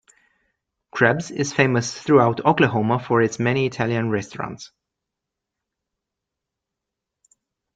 Krebs is famous throughout Oklahoma for its many Italian restaurants.